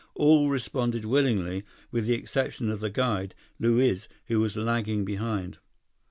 All responded willingly, with the exception of the guide, Luiz, who was lagging behind.